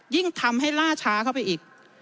ยิ่งทำให้ล่าช้าเข้าไปอีก